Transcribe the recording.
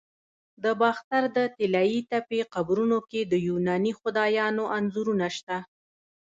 د باختر د طلایی تپې قبرونو کې د یوناني خدایانو انځورونه شته